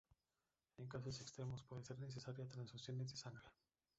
En casos extremos puede ser necesaria transfusiones de sangre.